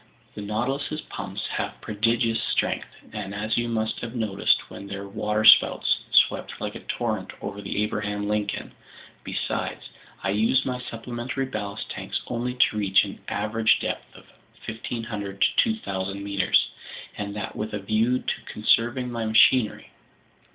The Nautilus's pumps have prodigious strength, as you must have noticed when their waterspouts swept like a torrent over the Abraham Lincoln. Besides, I use my supplementary ballast tanks only to reach an average depth of 1,500 to 2,000 meters, and that with a view to conserving my machinery.